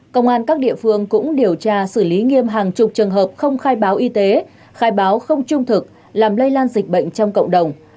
công an các địa phương cũng điều tra xử lý nghiêm hàng chục trường hợp không khai báo y tế khai báo không trung thực làm lây lan dịch bệnh trong cộng đồng